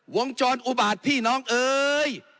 วงจรอุบาตพี่น้องเอ้ย